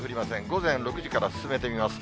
午前６時から進めてみます。